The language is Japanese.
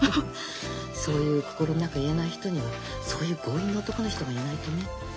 そういう心の中言えない人にはそういう強引な男の人がいないとね。